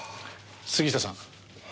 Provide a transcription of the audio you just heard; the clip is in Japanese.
杉下さん